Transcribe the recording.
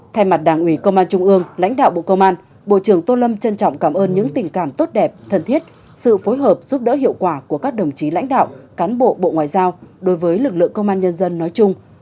thay mặt đảng ủy công an trung ương lãnh đạo bộ công an bộ trưởng tô lâm trân trọng cảm ơn những tình cảm tốt đẹp thân thiết sự phối hợp giúp đỡ hiệu quả của các đồng chí lãnh đạo cán bộ bộ ngoại giao đối với lực lượng công an nhân dân nói chung